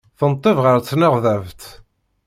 Tenṭeb ɣer tnerdabt.